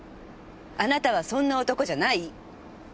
あなたはそんな男じゃない！